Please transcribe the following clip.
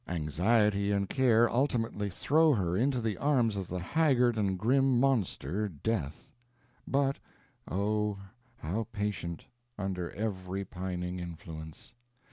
Anxiety and care ultimately throw her into the arms of the haggard and grim monster death. But, oh, how patient, under every pining influence!